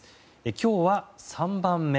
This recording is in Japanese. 今日は３番目。